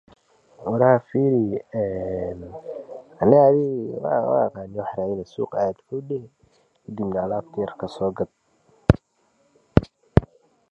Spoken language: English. If black holes that small exist, they are most likely primordial black holes.